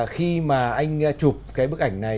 khi mà anh chụp cái bức ảnh này